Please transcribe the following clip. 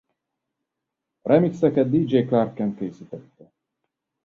A remixeket Dj Clark Kent készítette.